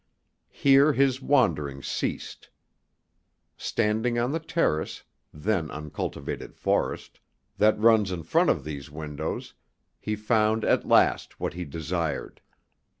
Here his wanderings ceased. Standing on the terrace then uncultivated forest that runs in front of these windows, he found at last what he desired.